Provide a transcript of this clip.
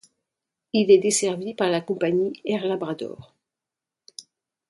Il est desservi par la compagnie Air Labrador.